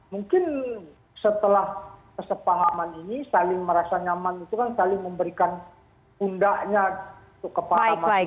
mungkin setelah kesepakaman ini saling merasa nyaman itu kan saling memberikan undangnya kepada masing masing